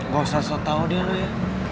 gak usah sok tau dia lo ya